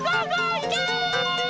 いけ！